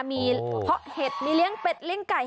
มีเพาะเห็ดมีเลี้ยงเป็ดเลี้ยงไก่